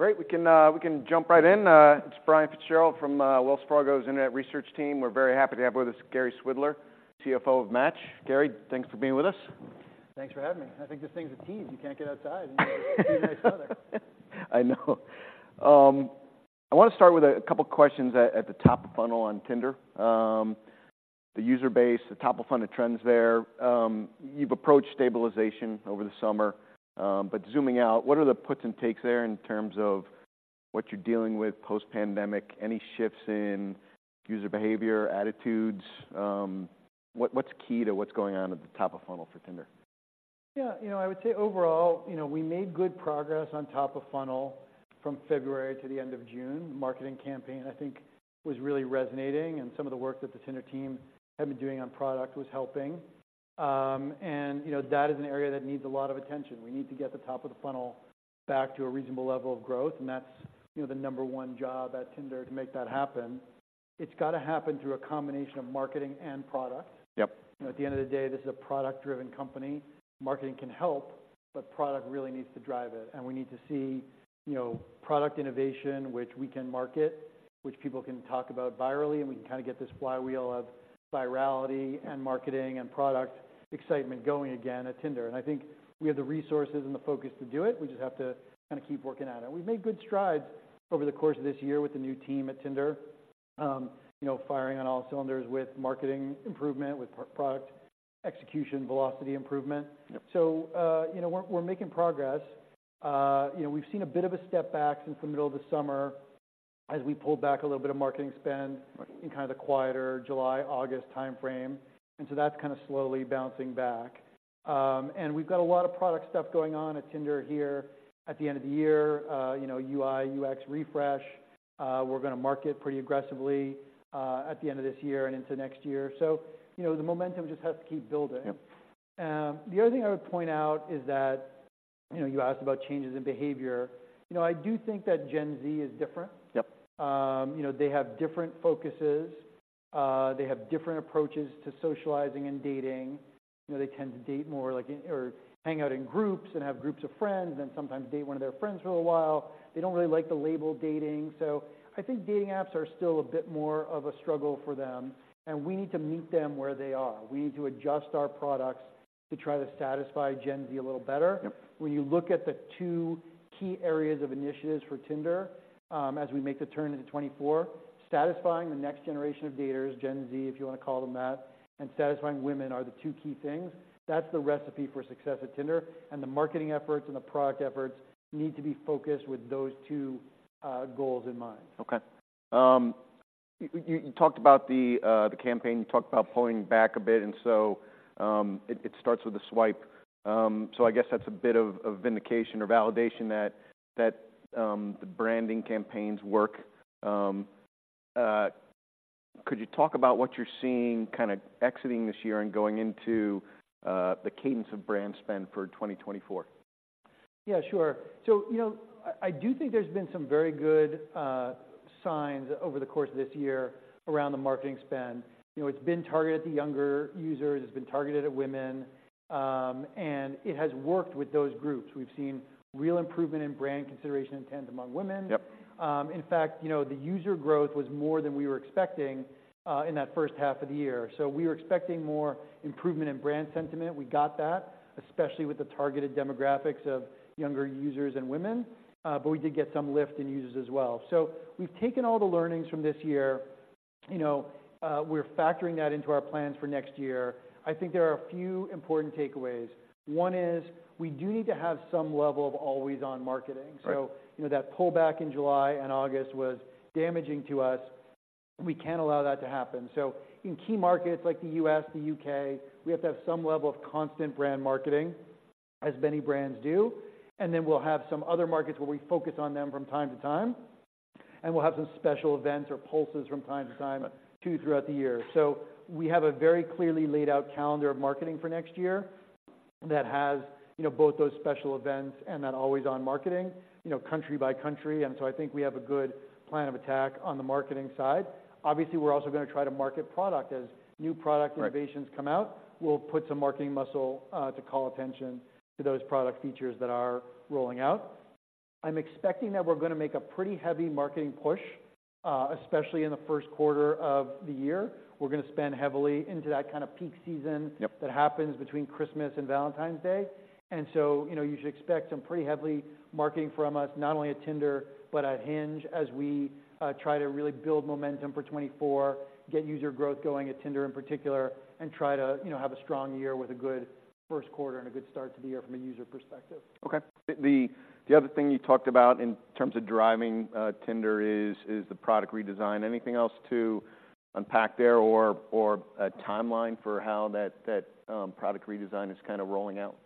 Great! We can, we can jump right in. It's Brian Fitzgerald from Wells Fargo's Internet research team. We're very happy to have with us Gary Swidler, CFO of Match. Gary, thanks for being with us. Thanks for having me. I think this thing's a tease. You can't get outside and see the nice weather. I know. I want to start with a couple questions at the top of funnel on Tinder. The user base, the top of funnel trends there. You've approached stabilization over the summer, but zooming out, what are the puts and takes there in terms of what you're dealing with post-pandemic? Any shifts in user behavior, attitudes? What's key to what's going on at the top of funnel for Tinder? Yeah, you know, I would say overall, you know, we made good progress on top of funnel from February to the end of June. The marketing campaign, I think, was really resonating, and some of the work that the Tinder team had been doing on product was helping. And, you know, that is an area that needs a lot of attention. We need to get the top of the funnel back to a reasonable level of growth, and that's, you know, the number one job at Tinder to make that happen. It's got to happen through a combination of marketing and product. Yep. You know, at the end of the day, this is a product-driven company. Marketing can help, but product really needs to drive it, and we need to see, you know, product innovation, which we can market, which people can talk about virally, and we can kind of get this flywheel of virality and marketing and product excitement going again at Tinder. And I think we have the resources and the focus to do it. We just have to kind of keep working at it. We've made good strides over the course of this year with the new team at Tinder. You know, firing on all cylinders with marketing improvement, with product execution, velocity improvement. Yep. So, you know, we're making progress. You know, we've seen a bit of a step back since the middle of the summer as we pulled back a little bit of marketing spend... Right... in kind of the quieter July, August time frame, and so that's kind of slowly bouncing back. And we've got a lot of product stuff going on at Tinder here at the end of the year. You know, UI/UX refresh, we're gonna market pretty aggressively at the end of this year and into next year. So, you know, the momentum just has to keep building. Yep. The other thing I would point out is that, you know, you asked about changes in behavior. You know, I do think that Gen Z is different. Yep. You know, they have different focuses. They have different approaches to socializing and dating. You know, they tend to date more like, or hang out in groups and have groups of friends, and sometimes date one of their friends for a while. They don't really like the label dating. So I think dating apps are still a bit more of a struggle for them, and we need to meet them where they are. We need to adjust our products to try to satisfy Gen Z a little better. Yep. When you look at the two key areas of initiatives for Tinder, as we make the turn into 2024, satisfying the next generation of daters, Gen Z, if you want to call them that, and satisfying women are the two key things. That's the recipe for success at Tinder, and the marketing efforts and the product efforts need to be focused with those two, goals in mind. Okay. You talked about the campaign. You talked about pulling back a bit, and so it starts with a swipe. So I guess that's a bit of vindication or validation that the branding campaigns work. Could you talk about what you're seeing kind of exiting this year and going into the cadence of brand spend for 2024? Yeah, sure. So, you know, I, I do think there's been some very good signs over the course of this year around the marketing spend. You know, it's been targeted at the younger users, it's been targeted at women, and it has worked with those groups. We've seen real improvement in brand consideration intent among women. Yep. In fact, you know, the user growth was more than we were expecting in that H1 of the year. So we were expecting more improvement in brand sentiment. We got that, especially with the targeted demographics of younger users and women. But we did get some lift in users as well. So we've taken all the learnings from this year, you know, we're factoring that into our plans for next year. I think there are a few important takeaways. One is, we do need to have some level of always-on marketing. Right. So, you know, that pullback in July and August was damaging to us. We can't allow that to happen. So in key markets like the U.S., the U.K., we have to have some level of constant brand marketing, as many brands do. And then we'll have some other markets where we focus on them from time to time, and we'll have some special events or pulses from time to time, too, throughout the year. So we have a very clearly laid out calendar of marketing for next year that has, you know, both those special events and that always-on marketing, you know, country by country. And so I think we have a good plan of attack on the marketing side. Obviously, we're also gonna try to market product. As new product- Right... innovations come out, we'll put some marketing muscle to call attention to those product features that are rolling out. I'm expecting that we're gonna make a pretty heavy marketing push, especially in the Q1 of the year. We're gonna spend heavily into that kind of peak season. Yep... that happens between Christmas and Valentine's Day. So, you know, you should expect some pretty heavy marketing from us, not only at Tinder, but at Hinge, as we try to really build momentum for 2024, get user growth going at Tinder in particular, and try to, you know, have a strong year with a good Q1 and a good start to the year from a user perspective. Okay. The other thing you talked about in terms of driving Tinder is the product redesign. Anything else to unpack there or a timeline for how that product redesign is kind of rolling out?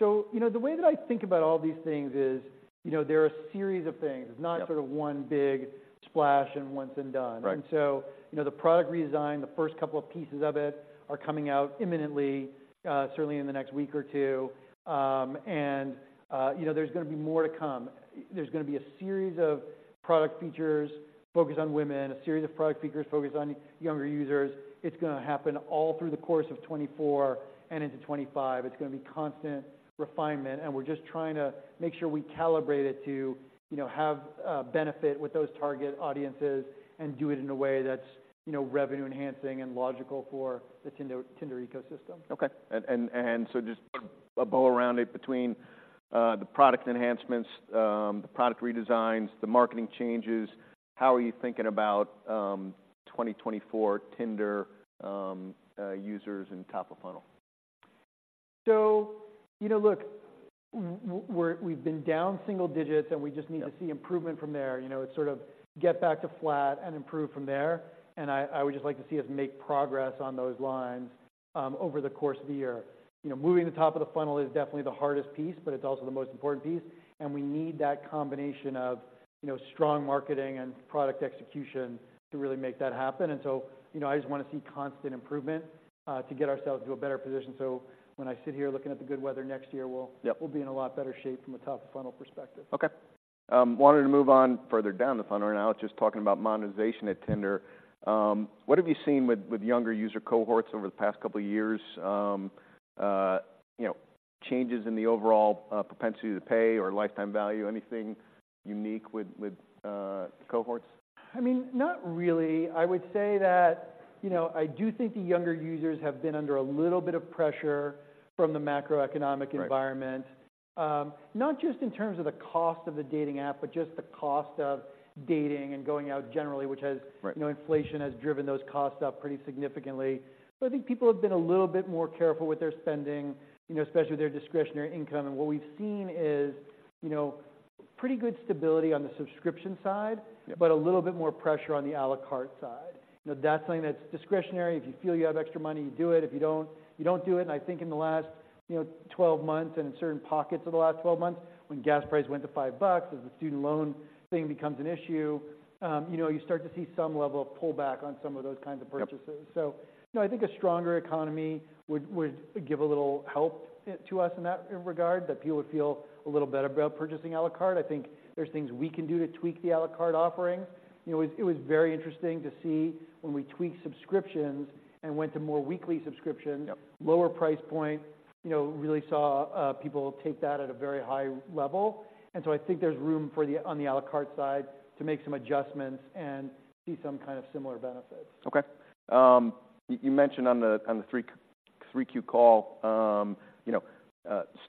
So, you know, the way that I think about all these things is, you know, they're a series of things. Yep. It's not sort of one big splash and once and done. Right. So, you know, the product redesign, the first couple of pieces of it are coming out imminently, certainly in the next week or two. And, you know, there's gonna be more to come. There's gonna be a series of product features focused on women, a series of product features focused on younger users. It's gonna happen all through the course of 2024 and into 2025. It's gonna be constant refinement, and we're just trying to make sure we calibrate it to, you know, have benefit with those target audiences and do it in a way that's, you know, revenue-enhancing and logical for the Tinder, Tinder ecosystem. Okay. So just a bow around it, the product enhancements, the product redesigns, the marketing changes. How are you thinking about 2024 Tinder users and top of funnel? So, you know, look, we've been down single digits, and we just need- Yep... to see improvement from there. You know, it's sort of get back to flat and improve from there, and I, I would just like to see us make progress on those lines, over the course of the year. You know, moving the top of the funnel is definitely the hardest piece, but it's also the most important piece, and we need that combination of, you know, strong marketing and product execution to really make that happen. And so, you know, I just want to see constant improvement, to get ourselves into a better position. So when I sit here looking at the good weather next year, we'll- Yep... we'll be in a lot better shape from a top of funnel perspective. Okay. Wanted to move on further down the funnel right now, just talking about monetization at Tinder. What have you seen with, with younger user cohorts over the past couple of years? You know, changes in the overall, propensity to pay or lifetime value. Anything unique with, with cohorts? I mean, not really. I would say that, you know, I do think the younger users have been under a little bit of pressure from the macroeconomic environment. Right. Not just in terms of the cost of the dating app, but just the cost of dating and going out generally, which has- Right... you know, inflation has driven those costs up pretty significantly. I think people have been a little bit more careful with their spending, you know, especially their discretionary income. What we've seen is, you know, pretty good stability on the subscription side- Yep... but a little bit more pressure on the à la carte side. You know, that's something that's discretionary. If you feel you have extra money, you do it. If you don't, you don't do it. And I think in the last, you know, 12 months and in certain pockets of the last 12 months, when gas prices went to $5, as the student loan thing becomes an issue, you know, you start to see some level of pullback on some of those kinds of purchases. Yep. So, you know, I think a stronger economy would give a little help to us in that regard, that people would feel a little better about purchasing à la carte. I think there's things we can do to tweak the à la carte offerings. You know, it was very interesting to see when we tweaked subscriptions and went to more weekly subscription. Yep. Lower price point, you know, really saw, people take that at a very high level. And so I think there's room for the... on the à la carte side to make some adjustments and see some kind of similar benefits. Okay. You mentioned on the Q3 call, you know,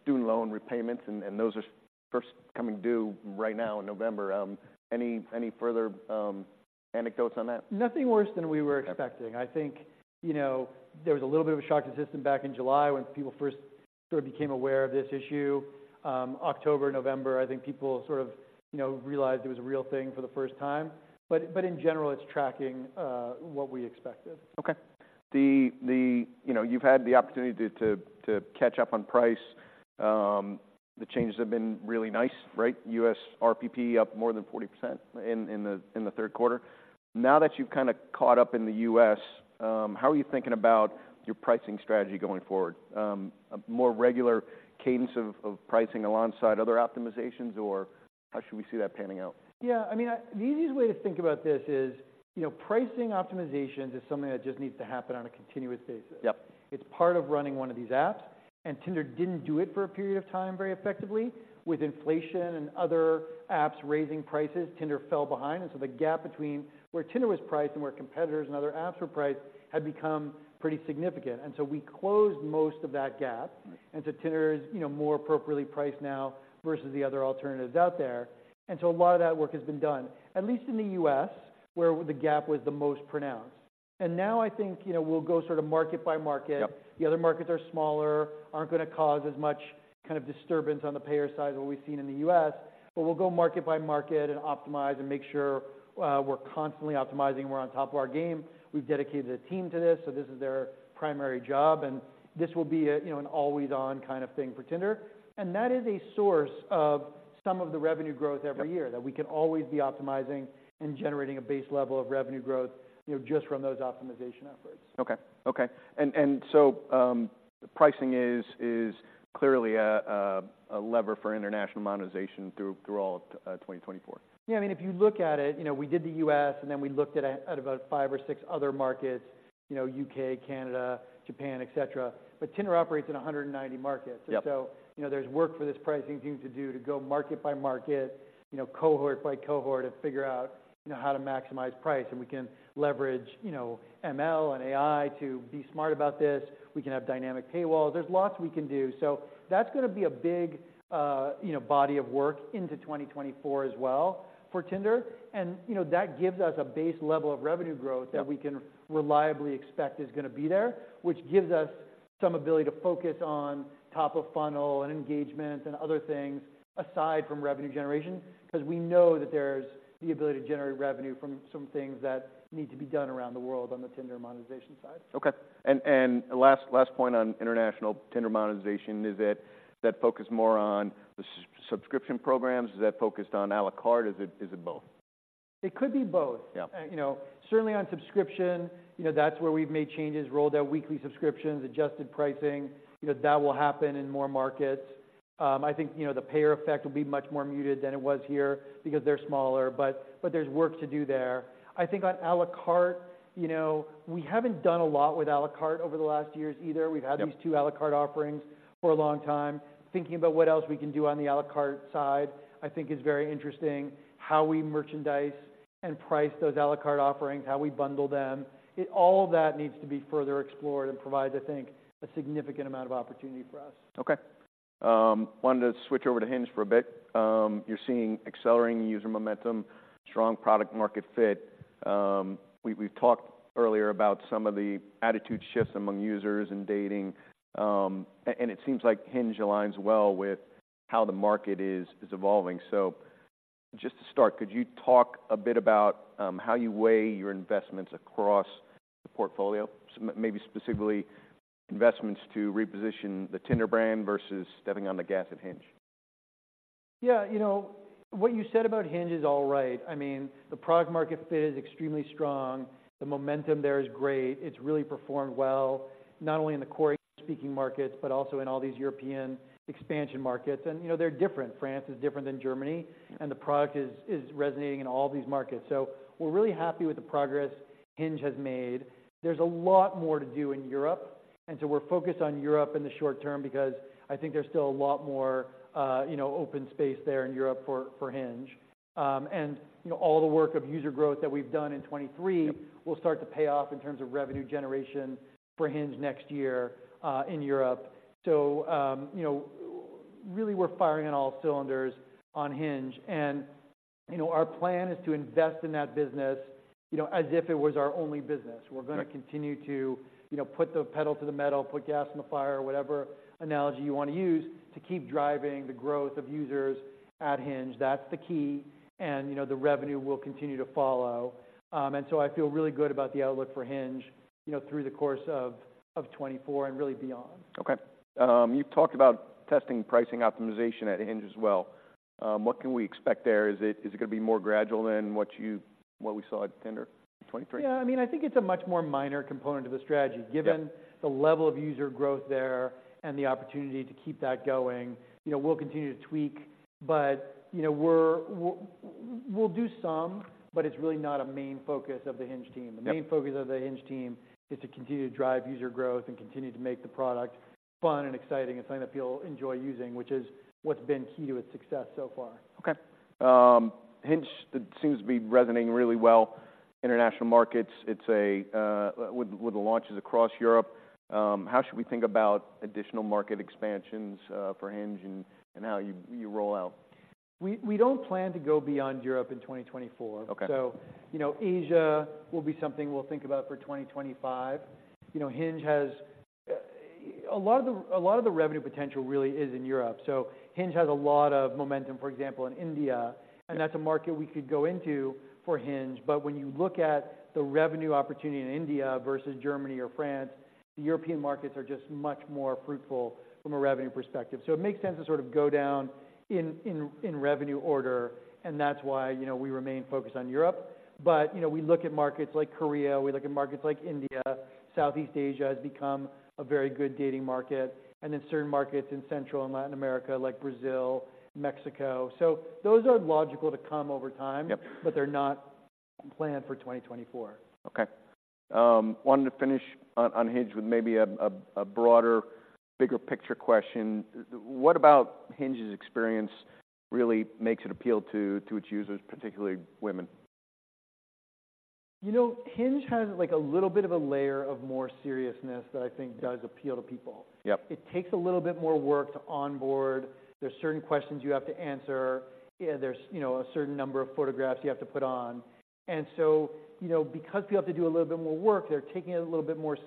student loan repayments, and those are first coming due right now in November. Any further anecdotes on that? Nothing worse than we were expecting. Okay. I think, you know, there was a little bit of a shock to the system back in July when people first sort of became aware of this issue. October, November, I think people sort of, you know, realized it was a real thing for the first time. But in general, it's tracking what we expected. Okay. You know, you've had the opportunity to catch up on price. The changes have been really nice, right? U.S. RPP up more than 40% in the Q3. Now that you've kind of caught up in the U.S., how are you thinking about your pricing strategy going forward? A more regular cadence of pricing alongside other optimizations, or how should we see that panning out? Yeah, I mean, I... The easiest way to think about this is, you know, pricing optimizations is something that just needs to happen on a continuous basis. Yep. It's part of running one of these apps, and Tinder didn't do it for a period of time very effectively. With inflation and other apps raising prices, Tinder fell behind, and so the gap between where Tinder was priced and where competitors and other apps were priced had become pretty significant. And so we closed most of that gap- Right... and so Tinder is, you know, more appropriately priced now versus the other alternatives out there. And so a lot of that work has been done, at least in the U.S., where the gap was the most pronounced. And now I think, you know, we'll go sort of market by market. Yep. The other markets are smaller, aren't going to cause as much kind of disturbance on the payer side as what we've seen in the U.S. But we'll go market by market and optimize and make sure, we're constantly optimizing and we're on top of our game. We've dedicated a team to this, so this is their primary job, and this will be a, you know, an always-on kind of thing for Tinder. And that is a source of some of the revenue growth every year- Yep... that we can always be optimizing and generating a base level of revenue growth, you know, just from those optimization efforts. Okay. Okay, and so, pricing is clearly a lever for international monetization through all of 2024? Yeah, I mean, if you look at it, you know, we did the U.S., and then we looked at about five or six other markets, you know, U.K., Canada, Japan, et cetera. But Tinder operates in 190 markets. Yep. And so, you know, there's work for this pricing team to do to go market by market, you know, cohort by cohort, and figure out, you know, how to maximize price. And we can leverage, you know, ML and AI to be smart about this. We can have dynamic paywalls. There's lots we can do. So that's gonna be a big, you know, body of work into 2024 as well for Tinder. And, you know, that gives us a base level of revenue growth- Yep... that we can reliably expect is gonna be there, which gives us some ability to focus on top of funnel and engagement and other things aside from revenue generation. 'Cause we know that there's the ability to generate revenue from some things that need to be done around the world on the Tinder monetization side. Okay. And last point on international Tinder monetization, is that focused more on the subscription programs? Is that focused on à la carte, or is it both? It could be both. Yeah. You know, certainly on subscription, you know, that's where we've made changes, rolled out weekly subscriptions, adjusted pricing. You know, that will happen in more markets. I think, you know, the payer effect will be much more muted than it was here because they're smaller, but, but there's work to do there. I think on à la carte, you know, we haven't done a lot with à la carte over the last years either. Yep. We've had these two à la carte offerings for a long time. Thinking about what else we can do on the à la carte side, I think is very interesting, how we merchandise and price those à la carte offerings, how we bundle them. All of that needs to be further explored and provide, I think, a significant amount of opportunity for us. Okay. Wanted to switch over to Hinge for a bit. You're seeing accelerating user momentum, strong product market fit. We've talked earlier about some of the attitude shifts among users in dating, and it seems like Hinge aligns well with how the market is evolving. So just to start, could you talk a bit about how you weigh your investments across the portfolio? Maybe specifically investments to reposition the Tinder brand versus stepping on the gas at Hinge. Yeah, you know, what you said about Hinge is all right. I mean, the product market fit is extremely strong. The momentum there is great. It's really performed well, not only in the core English-speaking markets, but also in all these European expansion markets. And, you know, they're different. France is different than Germany, and the product is, is resonating in all these markets. So we're really happy with the progress Hinge has made. There's a lot more to do in Europe, and so we're focused on Europe in the short term because I think there's still a lot more, you know, open space there in Europe for, for Hinge. And, you know, all the work of user growth that we've done in 2023 will start to pay off in terms of revenue generation for Hinge next year, in Europe. you know, really we're firing on all cylinders on Hinge and, you know, our plan is to invest in that business, you know, as if it was our only business. Yep. We're gonna continue to, you know, put the pedal to the metal, put gas in the fire, or whatever analogy you want to use, to keep driving the growth of users at Hinge. That's the key, and, you know, the revenue will continue to follow. So I feel really good about the outlook for Hinge, you know, through the course of 2024 and really beyond. Okay. You've talked about testing pricing optimization at Hinge as well. What can we expect there? Is it gonna be more gradual than what we saw at Tinder in 2023? Yeah, I mean, I think it's a much more minor component of the strategy- Yep... given the level of user growth there and the opportunity to keep that going. You know, we'll continue to tweak, but, you know, we'll do some, but it's really not a main focus of the Hinge team. Yep. The main focus of the Hinge team is to continue to drive user growth and continue to make the product fun and exciting, and something that people enjoy using, which is what's been key to its success so far. Okay. Hinge, it seems to be resonating really well, international markets, it's with the launches across Europe, how should we think about additional market expansions for Hinge and how you roll out? We don't plan to go beyond Europe in 2024. Okay. So, you know, Asia will be something we'll think about for 2025. You know, Hinge has a lot of the revenue potential really is in Europe, so Hinge has a lot of momentum, for example, in India, and that's a market we could go into for Hinge. But when you look at the revenue opportunity in India versus Germany or France, the European markets are just much more fruitful from a revenue perspective. So it makes sense to sort of go down in revenue order, and that's why, you know, we remain focused on Europe. But, you know, we look at markets like Korea, we look at markets like India. Southeast Asia has become a very good dating market, and then certain markets in Central and Latin America, like Brazil, Mexico. So those are logical to come over time. Yep... but they're not planned for 2024. Okay. Wanted to finish on Hinge with maybe a broader, bigger picture question. What about Hinge's experience really makes it appeal to its users, particularly women? You know, Hinge has, like, a little bit of a layer of more seriousness that I think does appeal to people. Yep. It takes a little bit more work to onboard. There's certain questions you have to answer, and there's, you know, a certain number of photographs you have to put on. And so, you know, because people have to do a little bit more work, they're taking it a little bit more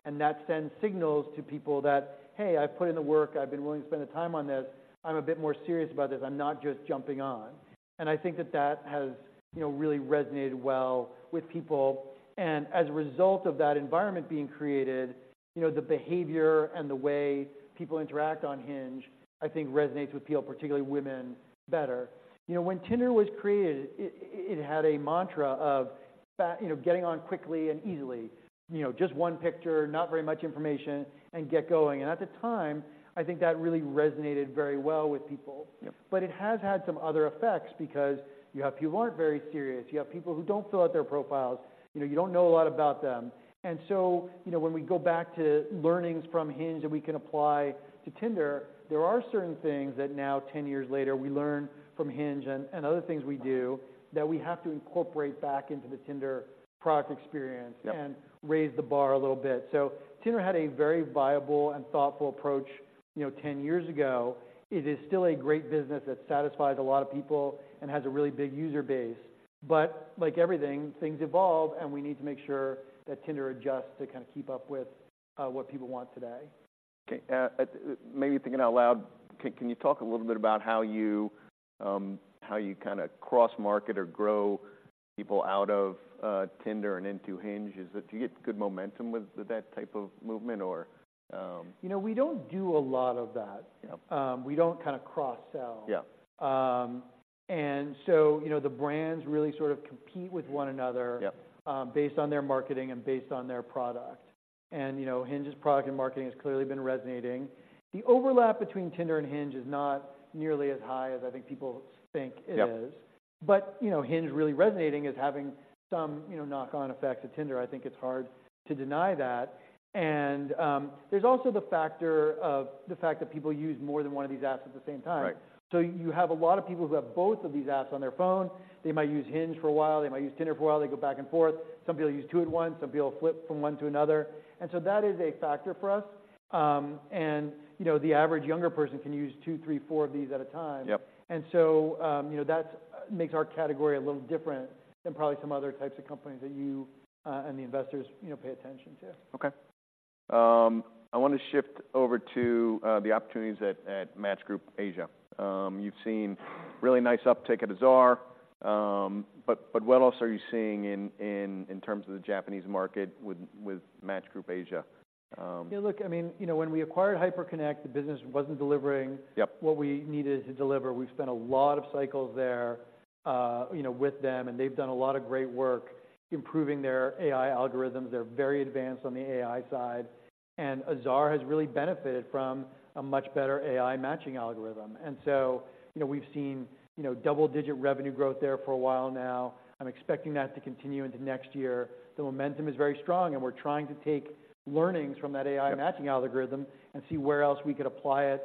seriously, and that sends signals to people that, "Hey, I've put in the work. I've been willing to spend the time on this. I'm a bit more serious about this. I'm not just jumping on." And I think that that has, you know, really resonated well with people. And as a result of that environment being created, you know, the behavior and the way people interact on Hinge, I think resonates with people, particularly women, better. You know, when Tinder was created, it, it, it had a mantra of fa- you know, getting on quickly and easily. You know, just one picture, not very much information, and get going. At the time, I think that really resonated very well with people. Yep. But it has had some other effects, because you have people who aren't very serious. You have people who don't fill out their profiles. You know, you don't know a lot about them. And so, you know, when we go back to learnings from Hinge that we can apply to Tinder, there are certain things that now, ten years later, we learn from Hinge and, and other things we do, that we have to incorporate back into the Tinder product experience- Yep... and raise the bar a little bit. So Tinder had a very viable and thoughtful approach, you know, 10 years ago. It is still a great business that satisfies a lot of people and has a really big user base, but like everything, things evolve, and we need to make sure that Tinder adjusts to kind of keep up with what people want today. Okay, maybe thinking out loud, can you talk a little bit about how you kind of cross-market or grow people out of Tinder and into Hinge? Do you get good momentum with that type of movement, or You know, we don't do a lot of that. Yep. We don't kind of cross-sell. Yeah. And so, you know, the brands really sort of compete with one another- Yep... based on their marketing and based on their product. You know, Hinge's product and marketing has clearly been resonating. The overlap between Tinder and Hinge is not nearly as high as I think people think it is. Yep. But, you know, Hinge really resonating is having some, you know, knock-on effects to Tinder. I think it's hard to deny that. And, there's also the factor of the fact that people use more than one of these apps at the same time. Right. So you have a lot of people who have both of these apps on their phone. They might use Hinge for a while, they might use Tinder for a while, they go back and forth. Some people use two at once, some people flip from one to another, and so that is a factor for us. You know, the average younger person can use two, three, four of these at a time. Yep. And so, you know, that makes our category a little different than probably some other types of companies that you and the investors, you know, pay attention to. Okay. I want to shift over to the opportunities at Match Group Asia. You've seen really nice uptick at Azar, but what else are you seeing in terms of the Japanese market with Match Group Asia? Yeah, look, I mean, you know, when we acquired Hyperconnect, the business wasn't delivering- Yep What we needed to deliver. We've spent a lot of cycles there, you know, with them, and they've done a lot of great work improving their AI algorithms. They're very advanced on the AI side, and Azar has really benefited from a much better AI matching algorithm. And so, you know, we've seen, you know, double-digit revenue growth there for a while now. I'm expecting that to continue into next year. The momentum is very strong, and we're trying to take learnings from that AI- Yep -matching algorithm and see where else we could apply it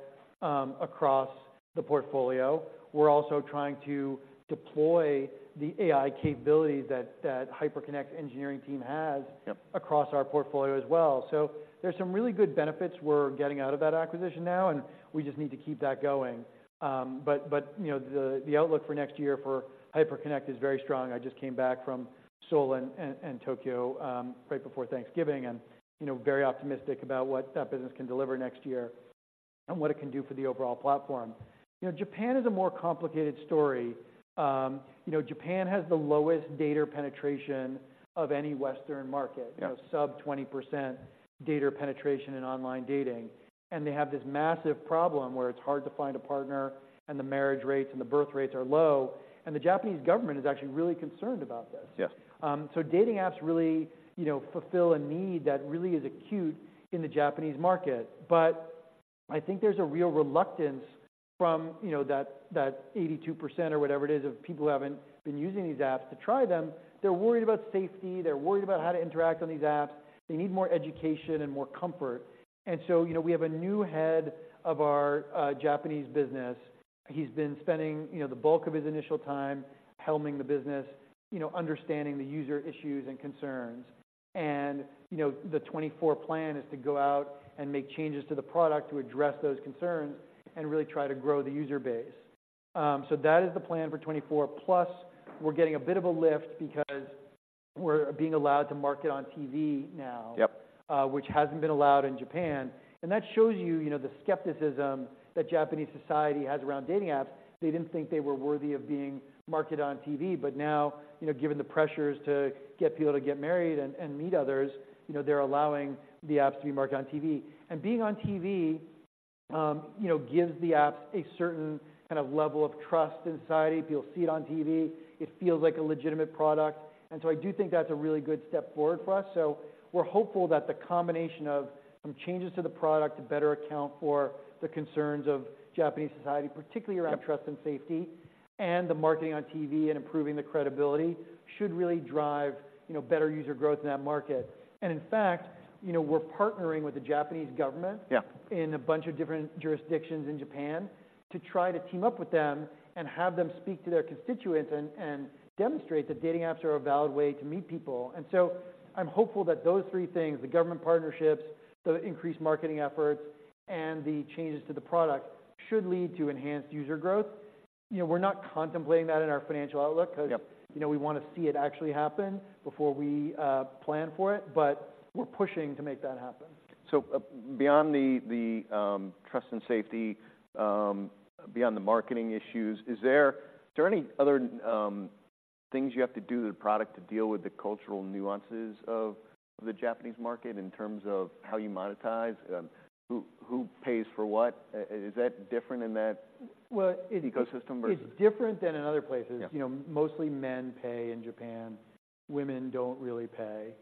across the portfolio. We're also trying to deploy the AI capabilities that Hyperconnect engineering team has- Yep -across our portfolio as well. So there's some really good benefits we're getting out of that acquisition now, and we just need to keep that going. But, you know, the outlook for next year for Hyperconnect is very strong. I just came back from Seoul and Tokyo, right before Thanksgiving, and, you know, very optimistic about what that business can deliver next year and what it can do for the overall platform. You know, Japan is a more complicated story. You know, Japan has the lowest dater penetration of any Western market. Yep. You know, sub-20% dater penetration in online dating. They have this massive problem, where it's hard to find a partner, and the marriage rates and the birth rates are low, and the Japanese government is actually really concerned about this. Yes. So dating apps really, you know, fulfill a need that really is acute in the Japanese market. But I think there's a real reluctance from, you know, that 82% or whatever it is, of people who haven't been using these apps to try them. They're worried about safety. They're worried about how to interact on these apps. They need more education and more comfort. And so, you know, we have a new head of our Japanese business. He's been spending, you know, the bulk of his initial time helming the business, you know, understanding the user issues and concerns. And, you know, the 2024 plan is to go out and make changes to the product to address those concerns and really try to grow the user base. So that is the plan for 2024. Plus, we're getting a bit of a lift because we're being allowed to market on TV now- Yep... which hasn't been allowed in Japan, and that shows you, you know, the skepticism that Japanese society has around dating apps. They didn't think they were worthy of being marketed on TV. But now, you know, given the pressures to get people to get married and, and meet others, you know, they're allowing the apps to be marketed on TV. And being on TV, you know, gives the apps a certain kind of level of trust in society. People see it on TV, it feels like a legitimate product, and so I do think that's a really good step forward for us. So we're hopeful that the combination of some changes to the product to better account for the concerns of Japanese society, particularly- Yep -around trust and safety, and the marketing on TV and improving the credibility, should really drive, you know, better user growth in that market. And in fact, you know, we're partnering with the Japanese government- Yeah in a bunch of different jurisdictions in Japan to try to team up with them and have them speak to their constituents and demonstrate that dating apps are a valid way to meet people. And so I'm hopeful that those three things, the government partnerships, the increased marketing efforts, and the changes to the product, should lead to enhanced user growth. You know, we're not contemplating that in our financial outlook- Yep -because, you know, we want to see it actually happen before we plan for it, but we're pushing to make that happen. So, beyond the trust and safety, beyond the marketing issues, are there any other things you have to do to the product to deal with the cultural nuances of the Japanese market in terms of how you monetize? Who pays for what? Is that different in that- Well, it- -ecosystem versus- It's different than in other places. Yeah. You know, mostly men pay in Japan. Women don't really pay.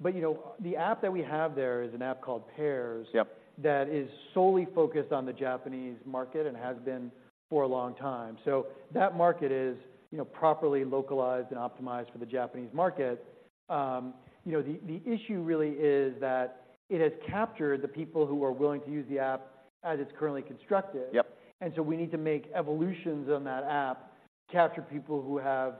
But, you know, the app that we have there is an app called Pairs- Yep... that is solely focused on the Japanese market and has been for a long time. So that market is, you know, properly localized and optimized for the Japanese market. You know, the issue really is that it has captured the people who are willing to use the app as it's currently constructed. Yep. So we need to make evolutions on that app to capture people who have,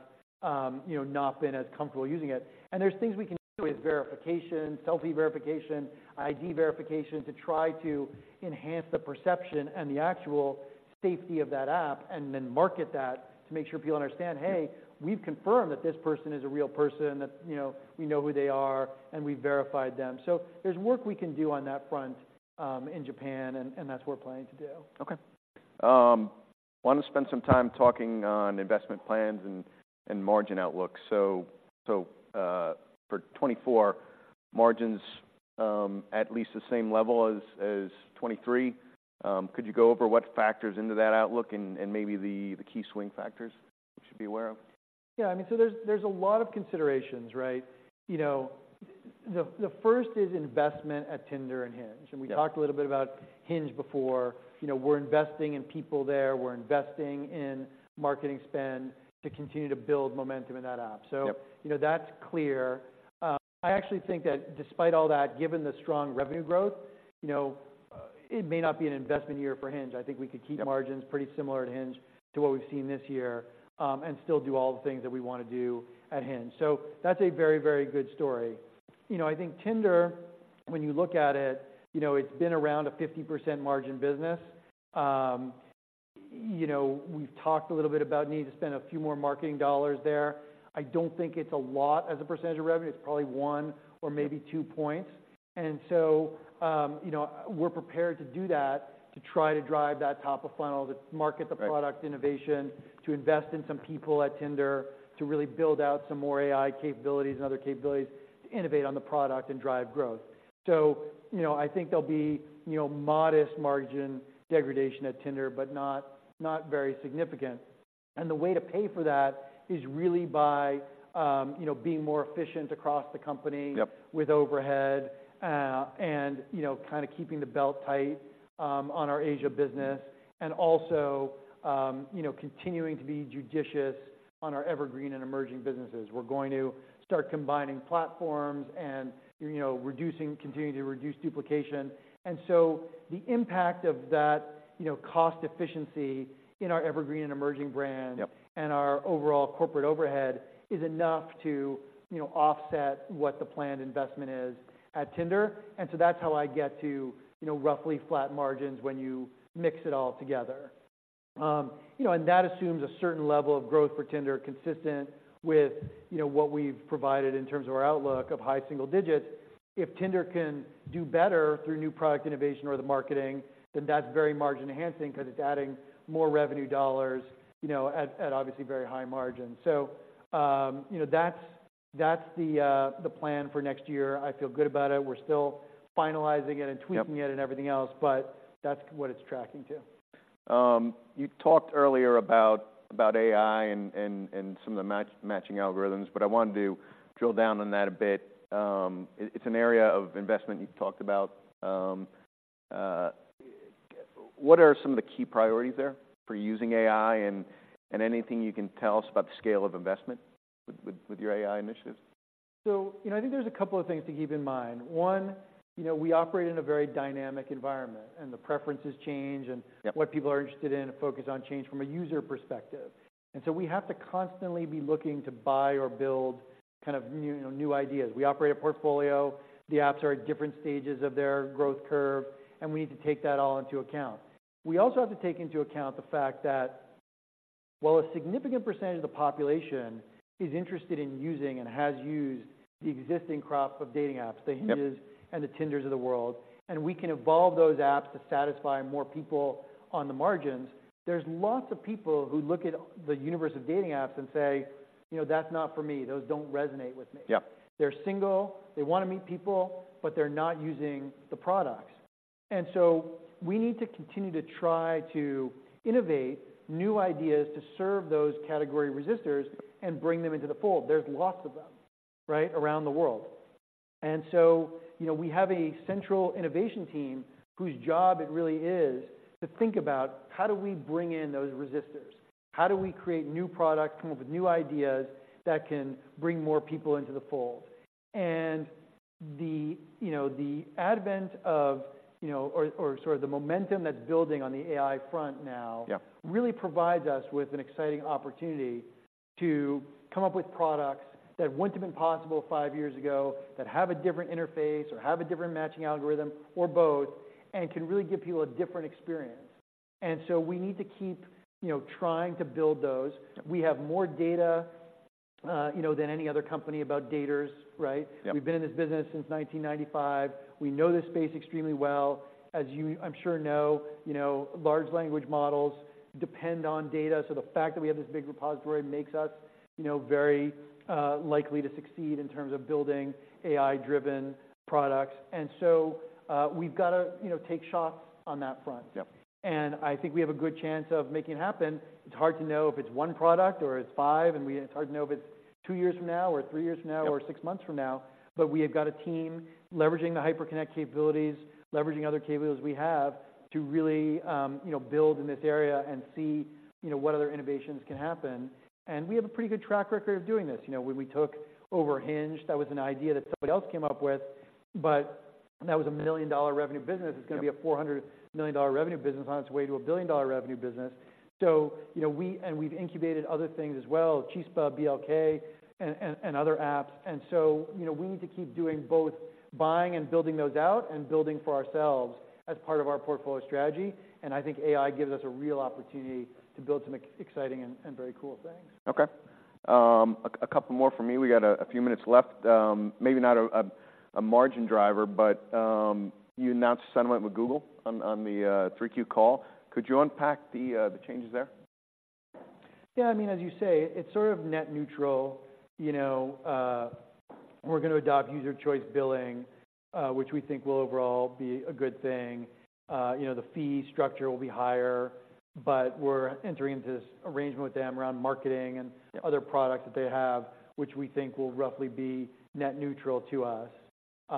you know, not been as comfortable using it. There's things we can do with verification, selfie verification, ID verification, to try to enhance the perception and the actual safety of that app, and then market that to make sure people understand, "Hey, we've confirmed that this person is a real person, that, you know, we know who they are, and we've verified them." So there's work we can do on that front in Japan, and that's what we're planning to do. Okay. I want to spend some time talking on investment plans and, and margin outlook. So, so, for 2024, margins, at least the same level as, as 2023. Could you go over what factors into that outlook and, and maybe the, the key swing factors we should be aware of? Yeah, I mean, so there's a lot of considerations, right? You know, the first is investment at Tinder and Hinge. Yep. We talked a little bit about Hinge before. You know, we're investing in people there. We're investing in marketing spend to continue to build momentum in that app. Yep. So, you know, that's clear. I actually think that despite all that, given the strong revenue growth, you know, it may not be an investment year for Hinge. I think we could keep- Yep... margins pretty similar at Hinge to what we've seen this year, and still do all the things that we want to do at Hinge. So that's a very, very good story. You know, I think Tinder, when you look at it, you know, it's been around a 50% margin business. You know, we've talked a little bit about needing to spend a few more marketing dollars there. I don't think it's a lot as a percentage of revenue. It's probably one or maybe two points. And so, you know, we're prepared to do that to try to drive that top of funnel, to market the product innovation, to invest in some people at Tinder, to really build out some more AI capabilities and other capabilities to innovate on the product and drive growth. So, you know, I think there'll be, you know, modest margin degradation at Tinder, but not, not very significant. And the way to pay for that is really by, you know, being more efficient across the company- Yep. with overhead, you know, kind of keeping the belt tight on our Asia business and also, you know, continuing to be judicious on our evergreen and emerging businesses. We're going to start combining platforms and, you know, reducing, continuing to reduce duplication. And so the impact of that, you know, cost efficiency in our evergreen and emerging brands- Yep. - and our overall corporate overhead is enough to, you know, offset what the planned investment is at Tinder. And so that's how I get to, you know, roughly flat margins when you mix it all together. You know, and that assumes a certain level of growth for Tinder, consistent with, you know, what we've provided in terms of our outlook of high single digits. If Tinder can do better through new product innovation or the marketing, then that's very margin-enhancing because it's adding more revenue dollars, you know, at obviously very high margins. So, you know, that's the plan for next year. I feel good about it. We're still finalizing it and tweaking it- Yep and everything else, but that's what it's tracking to. You talked earlier about AI and some of the matching algorithms, but I wanted to drill down on that a bit. It's an area of investment you've talked about. What are some of the key priorities there for using AI, and anything you can tell us about the scale of investment with your AI initiatives? So, you know, I think there's a couple of things to keep in mind. One, you know, we operate in a very dynamic environment, and the preferences change, and- Yep what people are interested in and focus on change from a user perspective. And so we have to constantly be looking to buy or build kind of new, you know, new ideas. We operate a portfolio. The apps are at different stages of their growth curve, and we need to take that all into account. We also have to take into account the fact that while a significant percentage of the population is interested in using and has used the existing crop of dating apps- Yep the Hinges and the Tinders of the world, and we can evolve those apps to satisfy more people on the margins. There's lots of people who look at the universe of dating apps and say, "You know, that's not for me. Those don't resonate with me. Yep. They're single, they want to meet people, but they're not using the products. And so we need to continue to try to innovate new ideas to serve those category resisters and bring them into the fold. There's lots of them, right, around the world. And so, you know, we have a central innovation team whose job it really is to think about: How do we bring in those resisters? How do we create new products, come up with new ideas that can bring more people into the fold? And, you know, the advent of, you know, or sort of the momentum that's building on the AI front now- Yep really provides us with an exciting opportunity to come up with products that wouldn't have been possible five years ago, that have a different interface or have a different matching algorithm or both, and can really give people a different experience. And so we need to keep, you know, trying to build those. We have more data, you know, than any other company about daters, right? Yep. We've been in this business since 1995. We know this space extremely well. As you I'm sure know, you know, large language models depend on data, so the fact that we have this big repository makes us, you know, very likely to succeed in terms of building AI-driven products. And so, we've got to, you know, take shots on that front. Yep. I think we have a good chance of making it happen. It's hard to know if it's one product or it's five, and it's hard to know if it's two years from now or three years from now. Yep... or six months from now. But we have got a team leveraging the Hyperconnect capabilities, leveraging other capabilities we have, to really, you know, build in this area and see, you know, what other innovations can happen. And we have a pretty good track record of doing this. You know, when we took over Hinge, that was an idea that somebody else came up with, but that was a million-dollar revenue business. Yep. It's going to be a $400 million revenue business on its way to a $1 billion revenue business. So you know, we've incubated other things as well, Chispa, BLK, and other apps. So you know, we need to keep doing both buying and building those out and building for ourselves as part of our portfolio strategy, and I think AI gives us a real opportunity to build some exciting and very cool things. Okay. A couple more from me. We got a few minutes left. Maybe not a margin driver, but you announced a settlement with Google on the Q3 call. Could you unpack the changes there? Yeah, I mean, as you say, it's sort of net neutral. You know, we're going to adopt User Choice Billing, which we think will overall be a good thing. You know, the fee structure will be higher, but we're entering into this arrangement with them around marketing and other products that they have, which we think will roughly be net neutral to us.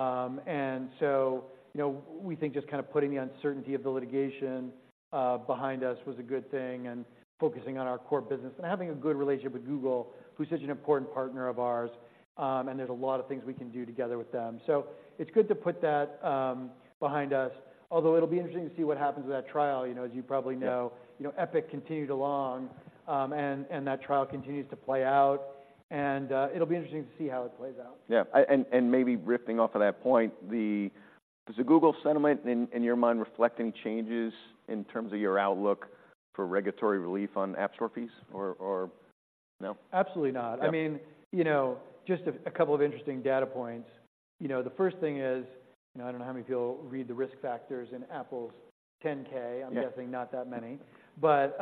And so, you know, we think just kind of putting the uncertainty of the litigation behind us was a good thing, and focusing on our core business and having a good relationship with Google, who's such an important partner of ours, and there's a lot of things we can do together with them. So it's good to put that behind us, although it'll be interesting to see what happens with that trial. You know, as you probably know- Yep... you know, Epic continued along, and that trial continues to play out, and it'll be interesting to see how it plays out. Yeah. And maybe riffing off of that point, does the Google settlement, in your mind, reflect any changes in terms of your outlook for regulatory relief on App Store fees or no? Absolutely not. Yeah. I mean, you know, just a couple of interesting data points. You know, the first thing is, you know, I don't know how many people read the risk factors in Apple's 10-K. Yeah. I'm guessing not that many. But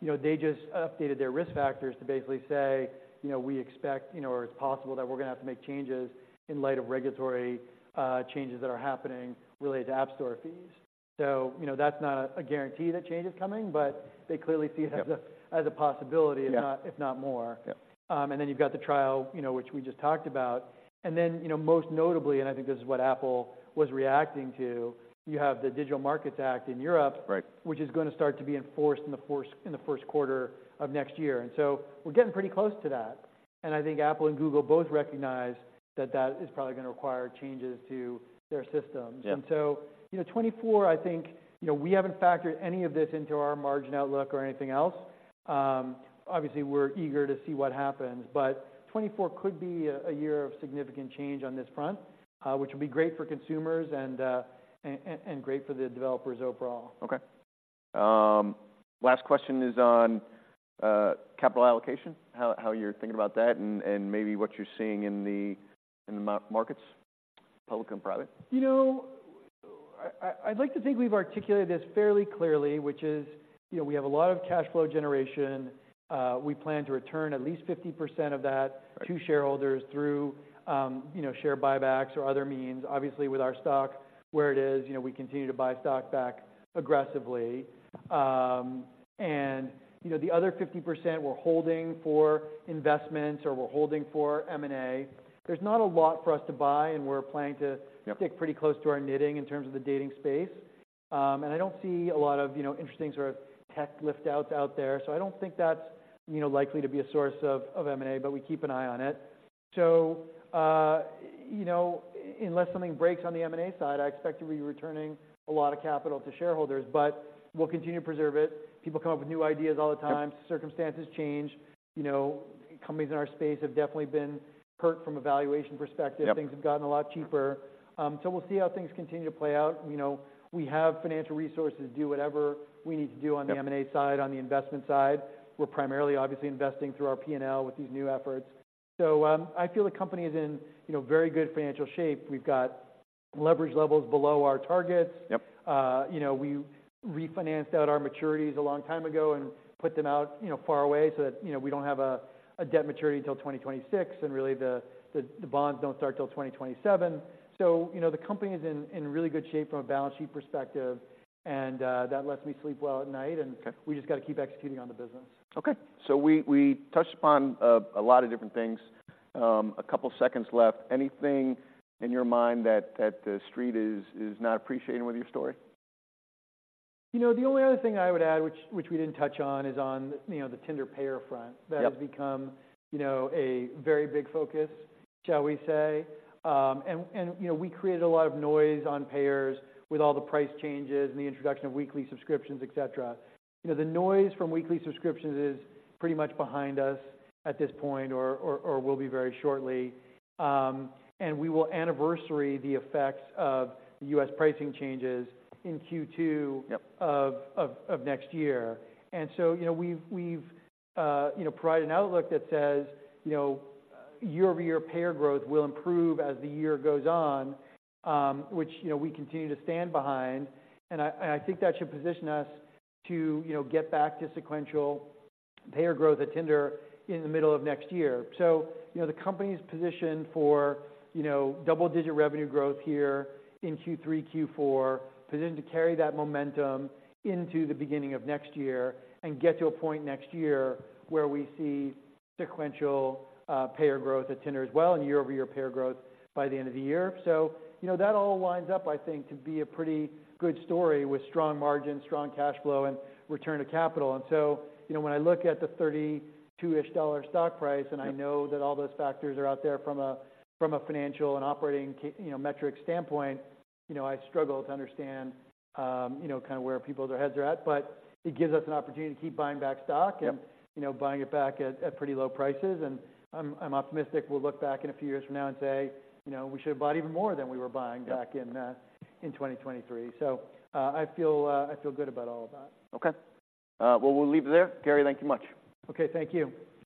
you know, they just updated their risk factors to basically say: You know, we expect, you know, or it's possible that we're gonna have to make changes in light of regulatory changes that are happening related to App Store fees. So you know, that's not a guarantee that change is coming, but they clearly see it- Yeah as a possibility Yeah if not more. Yeah. and then you've got the trial, you know, which we just talked about. And then, you know, most notably, and I think this is what Apple was reacting to, you have the Digital Markets Act in Europe- Right... which is gonna start to be enforced in the Q1 of next year. And so we're getting pretty close to that, and I think Apple and Google both recognize that that is probably gonna require changes to their systems. Yeah. And so, you know, 2024, I think, you know, we haven't factored any of this into our margin outlook or anything else. Obviously, we're eager to see what happens, but 2024 could be a year of significant change on this front, which would be great for consumers and great for the developers overall. Okay. Last question is on capital allocation, how you're thinking about that, and maybe what you're seeing in the markets, public and private. You know, I'd like to think we've articulated this fairly clearly, which is, you know, we have a lot of cash flow generation. We plan to return at least 50% of that- Right - to shareholders through, you know, share buybacks or other means. Obviously, with our stock where it is, you know, we continue to buy stock back aggressively. And, you know, the other 50% we're holding for investments or we're holding for M&A. There's not a lot for us to buy, and we're planning to- Yep Stick pretty close to our knitting in terms of the dating space. And I don't see a lot of, you know, interesting sort of tech lift-outs out there, so I don't think that's, you know, likely to be a source of M&A, but we keep an eye on it. So, you know, unless something breaks on the M&A side, I expect to be returning a lot of capital to shareholders, but we'll continue to preserve it. People come up with new ideas all the time. Yep. Circumstances change. You know, companies in our space have definitely been hurt from a valuation perspective. Yep. Things have gotten a lot cheaper. So we'll see how things continue to play out. You know, we have financial resources to do whatever we need to do- Yep On the M&A side, on the investment side. We're primarily, obviously, investing through our P&L with these new efforts. So, I feel the company is in, you know, very good financial shape. We've got leverage levels below our targets. Yep. You know, we refinanced out our maturities a long time ago and put them out, you know, far away so that, you know, we don't have a debt maturity till 2026, and really the bonds don't start till 2027. So, you know, the company is in really good shape from a balance sheet perspective, and that lets me sleep well at night, and- Okay... we just gotta keep executing on the business. Okay. So we touched upon a lot of different things. A couple seconds left. Anything in your mind that the street is not appreciating with your story? You know, the only other thing I would add, which we didn't touch on, is on, you know, the Tinder payer front. Yep. That has become, you know, a very big focus, shall we say. And, and, you know, we created a lot of noise on payers with all the price changes and the introduction of weekly subscriptions, et cetera. You know, the noise from weekly subscriptions is pretty much behind us at this point or, or, or will be very shortly. And we will anniversary the effects of the U.S. pricing changes in Q2- Yep of next year. And so, you know, we've provided an outlook that says: You know, year-over-year payer growth will improve as the year goes on, which, you know, we continue to stand behind. And I think that should position us to, you know, get back to sequential payer growth at Tinder in the middle of next year. So, you know, the company's positioned for, you know, double-digit revenue growth here in Q3, Q4, positioned to carry that momentum into the beginning of next year and get to a point next year where we see sequential payer growth at Tinder as well, and year-over-year payer growth by the end of the year. So, you know, that all winds up, I think, to be a pretty good story with strong margins, strong cash flow, and return to capital. You know, when I look at the $32-ish stock price- Yep I know that all those factors are out there from a financial and operating metric standpoint. You know, I struggle to understand, you know, kind of where people's heads are at. But it gives us an opportunity to keep buying back stock. Yep - and, you know, buying it back at pretty low prices. And I'm optimistic we'll look back in a few years from now and say: You know, we should have bought even more than we were buying- Yep - back in, in 2023. So, I feel, I feel good about all of that. Okay. Well, we'll leave it there. Gary, thank you much. Okay, thank you.